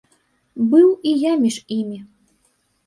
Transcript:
Быў і я між імі.